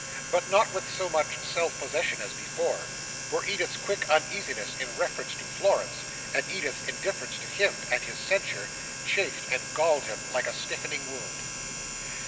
But not with so much self possession as before; for Edith's quick uneasiness in reference to Florence, and Edith's indifference to him and his censure, chafed and galled him like a stiffening wound.